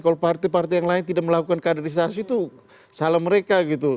kalau partai partai yang lain tidak melakukan kaderisasi itu salah mereka gitu